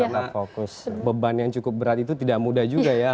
karena beban yang cukup berat itu tidak mudah juga ya